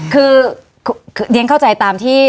คือเรียนเข้าใจตามที่